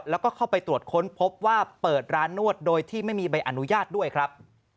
แล้วก็เข้าไปตรวจค้นพบว่าเปิดร้านนวดโดยที่ไม่มีใบอนุญาตด้วยครับ